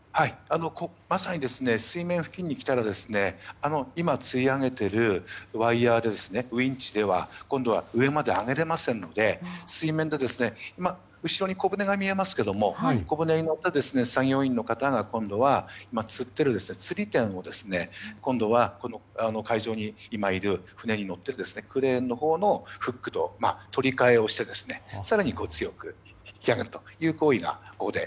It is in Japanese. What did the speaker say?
まさに水面付近に来たら今、つり上げているワイヤではウィンチでは今度は上まで上げられませんので水面で後ろに小船が見えますけど小船に乗った作業員の方が今度はつっている、つり点を今海上の船のほうのフックと取り換えをして更に強く引き上げるという行為がここで。